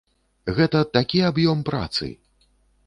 Гэта такі аб'ём працы!